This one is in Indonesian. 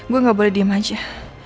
gue gak boleh diem aja